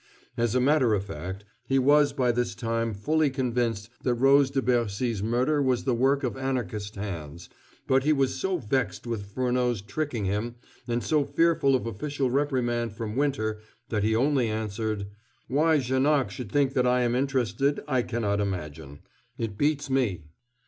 As a matter of fact, he was by this time fully convinced that Rose de Bercy's murder was the work of Anarchist hands, but he was so vexed with Furneaux's tricking him, and so fearful of official reprimand from Winter that he only answered: "Why Janoc should think that I am interested, I can't imagine. It beats me."